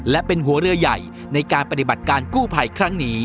และเป็นหัวเรือใหญ่ในการปฏิบัติการกู้ภัยครั้งนี้